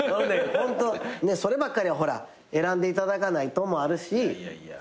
そればっかりはほら選んでいただかないともあるし。